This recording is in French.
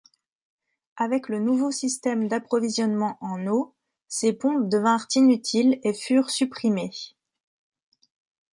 Avec le nouveau système d'approvisionnement en eau, ces pompes devinrent inutiles et furent supprimées.